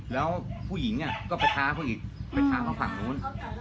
แล้วผู้หญิงเนี่ยก็ไปท้าเขาอีกไปท้าทางฝั่งนู้น